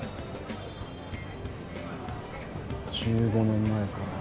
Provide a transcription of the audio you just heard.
１５年前か。